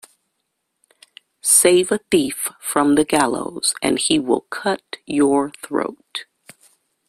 Save a thief from the gallows and he will cut your throat.